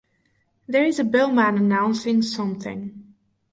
There is a bellman announcing something.